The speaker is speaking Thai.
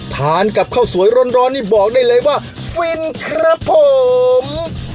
ทานกับข้าวสวยร้อนนี่บอกได้เลยว่าฟินครับผม